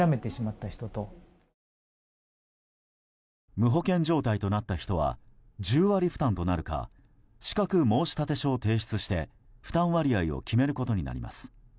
無保険状態となった人は１０割負担となるか資格申立書を提出して負担割合を決めることになります。